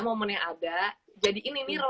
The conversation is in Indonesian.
momen yang ada jadi ini